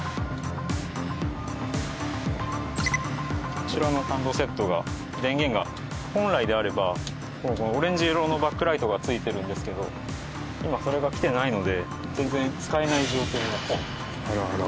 こちらのハンドセットが電源が本来であればオレンジ色のバックライトがついてるんですけど今それがきてないので全然使えない状況になっています。